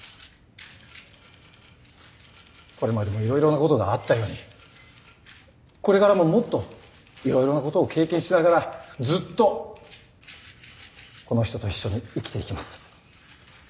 これまでも色々なことがあったようにこれからももっと色々なことを経験しながらずっとこの人と一緒に生きていきます。